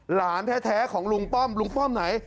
หลานแท้ของลุงป้อมลุงป้อมไหน